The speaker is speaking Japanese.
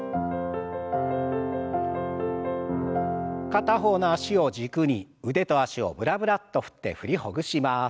片方の脚を軸に腕と脚をブラブラッと振って振りほぐします。